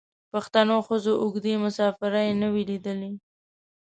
پښتنو ښځو اوږدې مسافرۍ نه وې لیدلي.